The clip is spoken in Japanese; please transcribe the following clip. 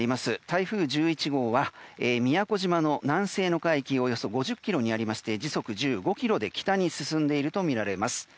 台風１１号は宮古島の南西の海域およそ５０ｋｍにありまして時速１５キロで北に進んでいるとみられます。